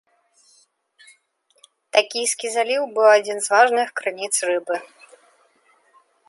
Такійскі заліў быў адзін з важных крыніц рыбы.